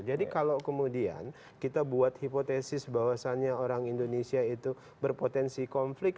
jadi kalau kemudian kita buat hipotesis bahwasannya orang indonesia itu berpotensi konflik